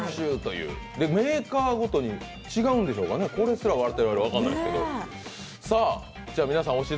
メーカーごとに違うんでしょうかね、これすら我々分からないですけど。